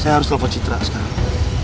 saya harus dapat citra sekarang